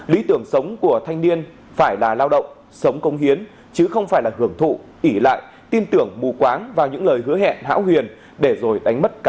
lý tưởng sống của thanh niên phải là lao động sống công hiến chứ không phải là hưởng thụ ỉ lại tin tưởng mù quáng vào những lời hứa hẹn hão huyền để rồi đánh mất cá